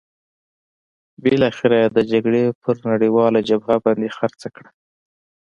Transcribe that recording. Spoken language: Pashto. بالاخره یې د جګړې پر نړیواله جبهه باندې خرڅه کړه.